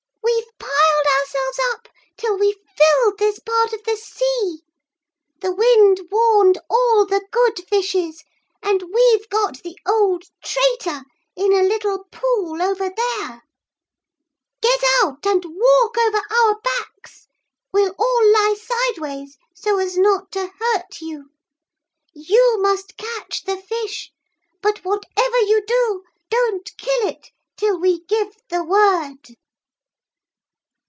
'We've piled our selves up till we've filled this part of the sea. The wind warned all the good fishes and we've got the old traitor in a little pool over there. Get out and walk over our backs we'll all lie sideways so as not to hurt you. You must catch the fish but whatever you do don't kill it till we give the word.'